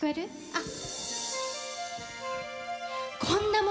あっ！